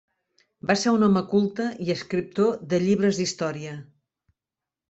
Va ser un home culte i escriptor de llibres d'història.